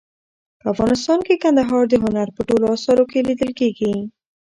په افغانستان کې کندهار د هنر په ټولو اثارو کې لیدل کېږي.